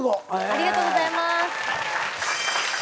ありがとうございます。